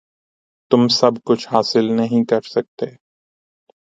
تم سب کچھ حاصل نہیں کر سکتے۔